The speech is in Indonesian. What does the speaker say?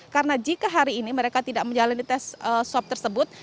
karena jika hari ini mereka tidak menjalani tes swab tersebut